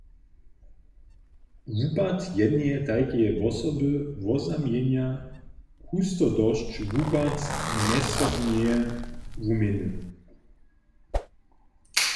Wupad jedneje tajkeje wosoby woznamjenja hustodosć wupad mjezsobneje wuměny.